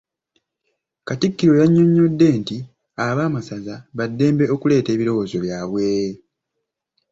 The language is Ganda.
Katikkiro yanyonyodde nti ab'amasaza ba ddembe okuleeta ebirowoozo byaabwe.